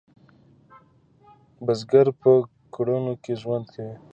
بزګر په کروندو کې ژوند کوي